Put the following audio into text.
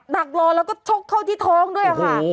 ดักรอแล้วก็ชกเข้าที่ท้องด้วยค่ะ